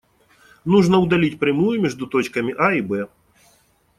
Нужно удалить прямую между точками А и Б.